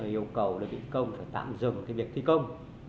yêu cầu đơn vị công phải tạm dừng việc thi công